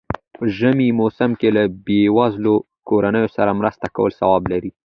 په ژمی موسم کی له بېوزلو کورنيو سره مرسته کول ثواب لري.